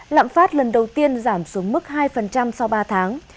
lạm phát lần đầu tiên giảm xuống mức hai sau ba tháng